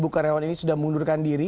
tiga karyawan ini sudah mundurkan diri